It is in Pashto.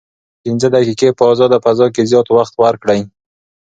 پنځه دقیقې په ازاده فضا کې زیات وخت ورکړئ.